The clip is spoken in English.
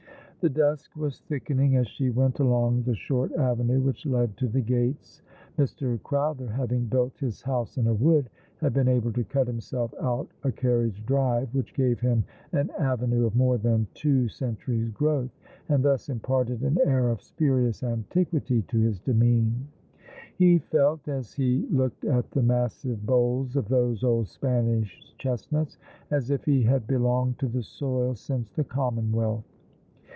The dusk was thickening as she went along the short avenue which led to the gates. Mr. Crowther, having built his house in a wood, had been able to cut himself out a car riage drive, which gave him an avenue of more than two centuries' growth, and thus imparted an air of spurious antiquity to his demesne. He felt, as he looked at the mas sive boles of those old Spanish chestnuts, as if he had be longed to the soil since the Commonwealth.